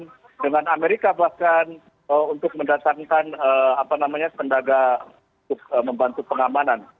jadi mereka juga berpikir bahwa mereka harus melakukan tindakan untuk mendasarkan apa namanya tindakan untuk membantu pengamanan